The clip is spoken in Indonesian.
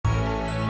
pak cara ramran